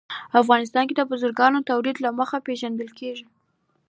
افغانستان د بزګانو د تولید له مخې پېژندل کېږي.